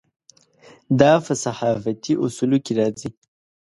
دا په صحافتي اصولو کې راځي.